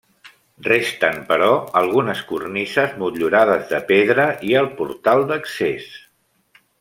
Resten però, algunes cornises motllurades de pedra i el portal d'accés.